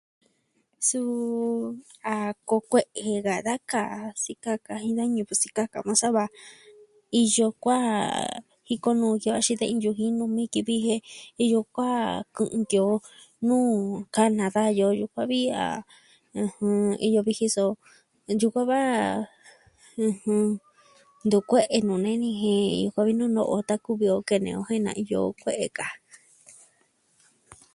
Suu a koo kue'e je ka da kaa sikaka jin da ñivɨ sikaka na sa va. Iyo kuaa jiko yaxi de iin yuu jinu miki vi jen iyo kaa kɨ'ɨn ki o nuu kana dayo yukuan vi a, ɨjɨn, iyo viji so ntyukua va... ɨjɨn... ntu kue'e nuu nee ni jen yukuan vi nu no'o tan kuvi o kene o jen na iyo kue'e kaa.